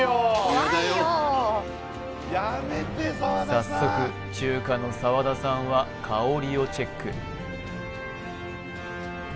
早速中華の澤田さんは香りをチェック